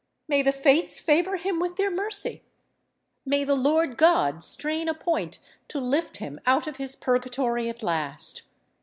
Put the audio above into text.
May the fates favor him with their mercy! May the Lord God strain a point to lift him out of his purgatory at last!